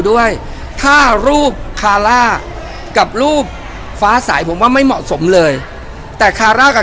ด้วยถ้ารูปคาร่ากับรูปฟ้าสายผมว่าไม่เหมาะสมเลยแต่คาร่ากับ